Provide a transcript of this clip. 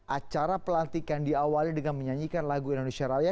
acara pelantikan diawali dengan menyanyikan lagu indonesia raya